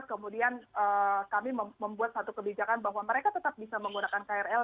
kemudian kami membuat satu kebijakan bahwa mereka tetap bisa menggunakan krl